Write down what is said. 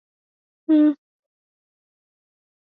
nchini tanzania abdala majura kutaka kujua iwapo njia hiyo kumaliza